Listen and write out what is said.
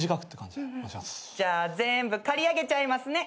じゃあぜんぶ刈り上げちゃいますね。